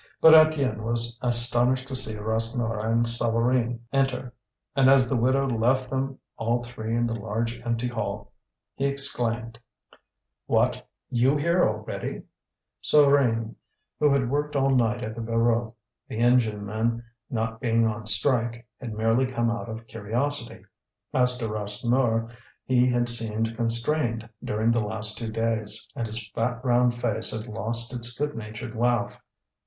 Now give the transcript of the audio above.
But Étienne was astonished to see Rasseneur and Souvarine enter; and as the widow left them all three in the large empty hall he exclaimed: "What! you here already!" Souvarine, who had worked all night at the Voreux, the engine men not being on strike, had merely come out of curiosity. As to Rasseneur, he had seemed constrained during the last two days, and his fat round face had lost its good natured laugh.